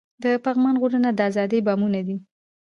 د پغمان غرونه د ازادۍ بامونه دي.